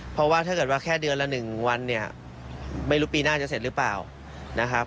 เพราะว่าถ้าเกิดว่าแค่เดือนละ๑วันเนี่ยไม่รู้ปีหน้าจะเสร็จหรือเปล่านะครับ